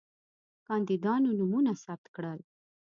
کاندیدانو نومونه ثبت کړل.